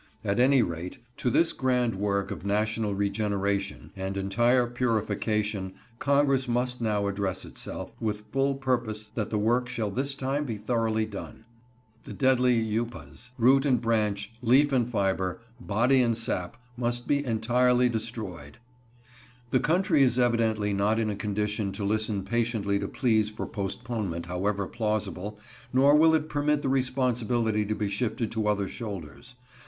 At any rate, to this grand work of national regeneration and entire purification Congress must now address Itself, with full purpose that the work shall this time be thoroughly done. The deadly upas, root and branch, leaf and fibre, body and sap, must be utterly destroyed. The country is evidently not in a condition to listen patiently to pleas for postponement, however plausible, nor will it permit the responsibility to be shifted to other shoulders.